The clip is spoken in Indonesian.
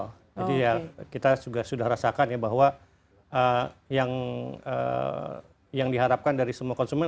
jadi ya kita sudah sudah rasakan ya bahwa yang diharapkan dari semua konsumen